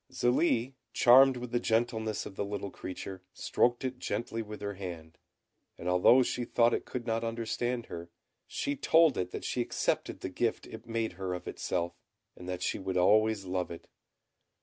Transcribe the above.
Zélie, charmed with the gentleness of the little creature, stroked it gently with her hand, and although she thought it could not understand her, she told it that she accepted the gift it made her of itself, and that she would always love it.